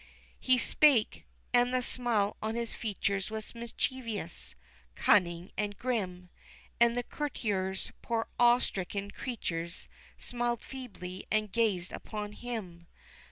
He spake: and the smile on his features was mischievous, cunning and grim, And the courtiers, poor awe stricken creatures, smiled feebly and gazed upon him.